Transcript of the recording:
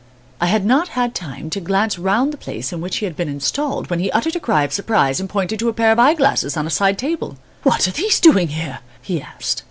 I had not had time to glance round the place in which he had been installed, when he uttered a cry of surprise and pointed to a pair of eye glasses on a side table. "What are these doing here?" he asked.